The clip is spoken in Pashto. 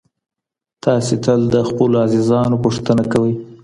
تاسي تل د خپلو عزیزانو پوښتنه کوئ.